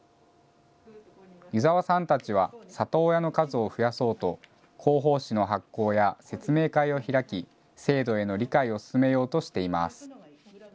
湯澤さんたちは里親の数を増やそうと広報誌の発行や説明会を開き、制度への理解を進めようとしています。